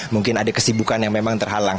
mungkin ada kesibukan yang memang terhalang